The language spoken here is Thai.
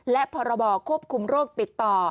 และพรบควบคุมโรคติดต่อ